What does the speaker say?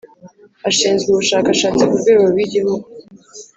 Ashinzwe ubushakashatsi ku rwego rw’igihugu